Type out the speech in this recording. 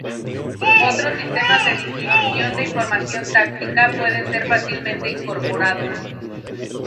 Otros sistemas de distribución de información táctica pueden ser fácilmente incorporados.